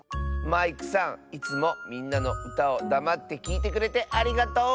マイクさんいつもみんなのうたをだまってきいてくれてありがとう！